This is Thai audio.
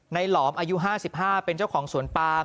หลอมอายุ๕๕เป็นเจ้าของสวนปาม